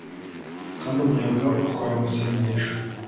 kandi umuyaga utwara amasengesho;